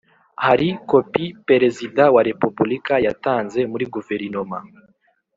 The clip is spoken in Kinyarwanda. Hari kopi Perezida wa Repubulika yatanze muri guverinoma